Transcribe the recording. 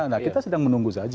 nah kita sedang menunggu saja